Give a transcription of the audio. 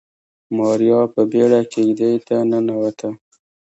ماريا په بيړه کېږدۍ ته ننوته.